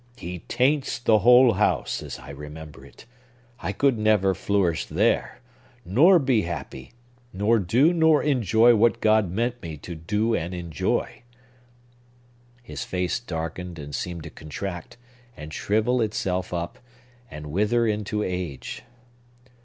He taints the whole house, as I remember it. I could never flourish there, nor be happy, nor do nor enjoy what God meant me to do and enjoy." His face darkened, and seemed to contract, and shrivel itself up, and wither into age.